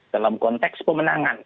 dalam konteks pemenangan